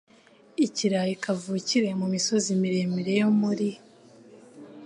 Ikirayi kavukire mu misozi miremire yo muri